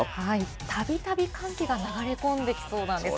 たびたび寒気が流れ込んできそうなんです。